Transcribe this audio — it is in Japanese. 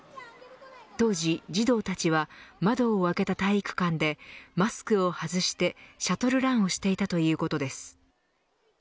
当時、児童たちは窓を開けた体育館でマスクを外してシャトルランをしていたということです。